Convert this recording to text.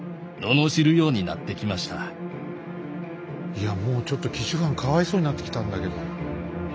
いやもうちょっと紀州藩かわいそうになってきたんだけど。